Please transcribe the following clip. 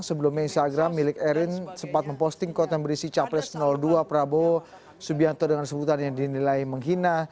sebelumnya instagram milik erin sempat memposting konten berisi capres dua prabowo subianto dengan sebutan yang dinilai menghina